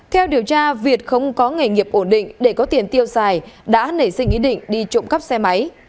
theo điều tra việt không có nghề nghiệp ổn định để có tiền tiêu xài đã nảy sinh ý định đi trộm cắp xe máy